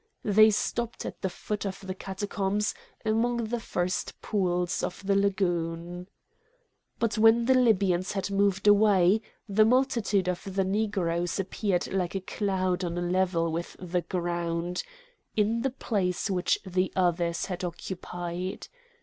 They stopped at the foot of the Catacombs among the first pools of the Lagoon. But when the Libyans had moved away, the multitude of the Negroes appeared like a cloud on a level with the ground, in the place which the others had occupied.